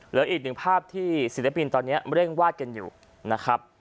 เหลืออีกหนึ่งภาพที่ศิลปินตอนนี้เร่งวาดกันอยู่นะครับ